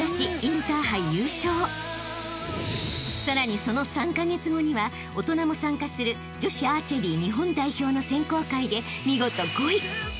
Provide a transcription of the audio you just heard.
［さらにその３カ月後には大人も参加する女子アーチェリー日本代表の選考会で見事５位］